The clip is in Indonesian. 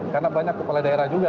karena banyak kepala daerah juga